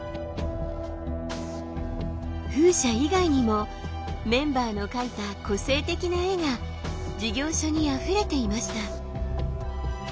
風車以外にもメンバーの描いた個性的な絵が事業所にあふれていました。